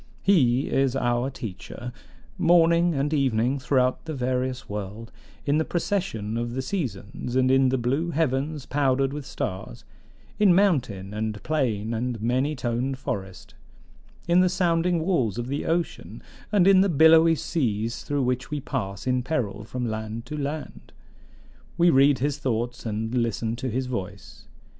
"He is our teacher. Morning and evening throughout the various world, in the procession of the seasons, and in the blue heavens powdered with stars; in mountain and plain and many toned forest; in the sounding walls of the ocean, and in the billowy seas through which we pass in peril from land to land, we read his thoughts and listen to his voice.